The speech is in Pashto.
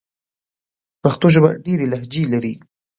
پښتو ژبه ډېري لهجې لري.